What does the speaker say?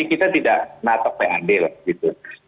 kita tidak natok pad lah gitu